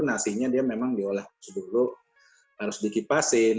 nasinya dia memang diolah dulu harus dikipasin